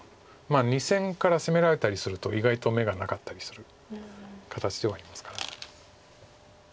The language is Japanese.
２線から攻められたりすると意外と眼がなかったりする形ではありますから。